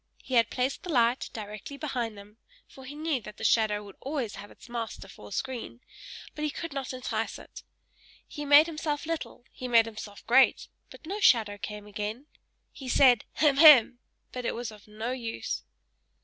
He had placed the light directly behind him, for he knew that the shadow would always have its master for a screen, but he could not entice it. He made himself little; he made himself great: but no shadow came again. He said, "Hem! hem!" but it was of no use.